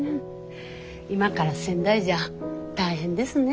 今から仙台じゃ大変ですね。